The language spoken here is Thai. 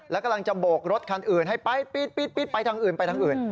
แล้วกำลังจะโบกรถคันอื่นให้ปีดไปทางอื่น